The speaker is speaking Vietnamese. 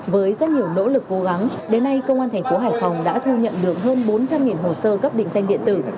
với rất nhiều nỗ lực cố gắng đến nay công an thành phố hải phòng đã thu nhận được hơn bốn trăm linh hồ sơ cấp định danh điện tử